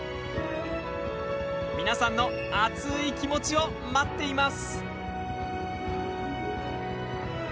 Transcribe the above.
皆さんの熱い気持ちを待っています。